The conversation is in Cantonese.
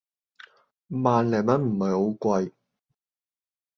萬零蚊唔係好貴